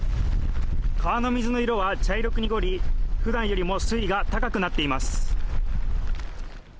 川の水の色は茶色く濁りふだんよりも水位が高くなっています。